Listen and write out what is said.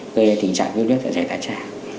về tình trạng viêm lết dạ dày thái tràng